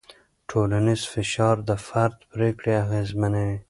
ټولنیز فشار د فرد پرېکړې اغېزمنوي.